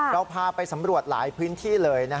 เราพาไปสำรวจหลายพื้นที่เลย